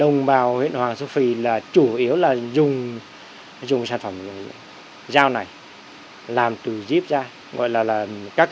đồng bào huyện hoàng su phi là chủ yếu là dùng sản phẩm dao này làm từ díp ra gọi là các